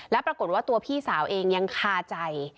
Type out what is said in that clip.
แล้วปรากฏว่าตัวพี่สาวเองยังคาใจ